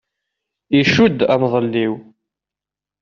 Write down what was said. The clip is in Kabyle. Icudd amḍelliw.